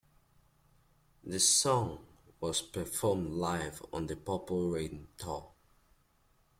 The song was performed live on the Purple Rain Tour.